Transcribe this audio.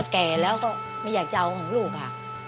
แก่แล้วก็ไม่อยากจะเอาของลูกค่ะ